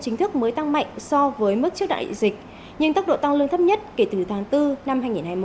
chính thức mới tăng mạnh so với mức trước đại dịch nhưng tốc độ tăng lương thấp nhất kể từ tháng bốn năm hai nghìn hai mươi một